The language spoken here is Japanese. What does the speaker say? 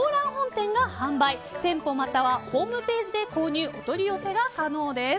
店舗またはホームページで購入お取り寄せが可能です。